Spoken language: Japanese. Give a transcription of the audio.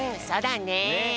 そうだね。